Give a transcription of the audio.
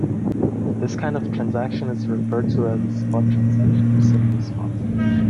This kind of transaction is referred to as a spot transaction or simply spot.